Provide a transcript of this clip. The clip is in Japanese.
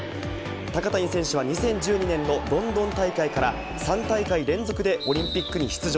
高谷選手は２０１２年のロンドン大会から、３大会連続でオリンピックに出場。